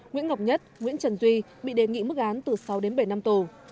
nguyễn ngọc nhất nguyễn trần duy bị đề nghị mức án từ sáu đến bảy năm tù